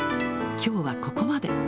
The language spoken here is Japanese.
きょうはここまで。